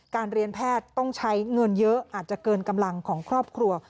การเรียนแพทย์ต้องใช้เงินเยอะอาจจะเกินกำลังของครอบครัว